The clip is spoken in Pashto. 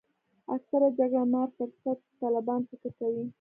اکثره جګړه مار فرصت طلبان فکر کوي.